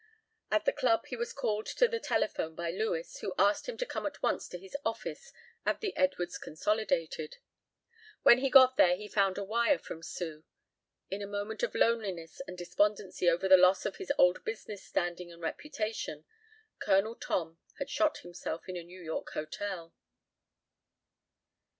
At the club he was called to the telephone by Lewis, who asked him to come at once to his office at the Edwards Consolidated. When he got there he found a wire from Sue. In a moment of loneliness and despondency over the loss of his old business standing and reputation, Colonel Tom had shot himself in a New York hotel.